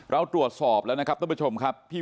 เราตรวจสอบแล้วนะครับท่านผู้ชมครับ